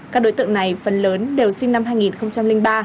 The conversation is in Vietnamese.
các đối tượng này phần lớn đều sinh năm hai nghìn ba